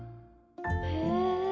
へえ。